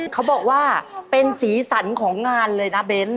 เขาบอกว่าเป็นสีสันของงานเลยนะเบ้น